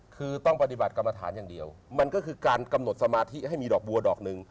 คือต้องปฏิบัติกรรมฐานอย่างเดียวมันก็คือการกำหนดสมาธิให้มีดอกบัวดอกหนึ่ง